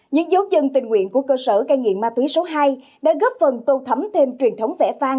những dấu dân tình nguyện của cơ sở ca nghiện ma túy số hai đã góp phần tô thấm thêm truyền thống vẽ phan